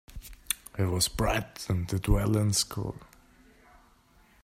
He was bright and did well in school.